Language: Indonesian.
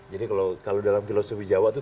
jadi kalau dalam filosofi jawa itu